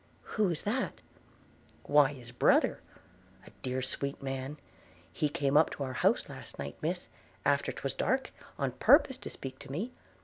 'Who is that?' 'Why his brother – a dear sweet man – He came up to our house last night, Miss, after 'twas dark, on purpose to speak to me.